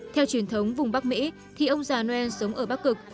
theo truyền thống vùng bắc mỹ thì ông già noel sống ở bắc cực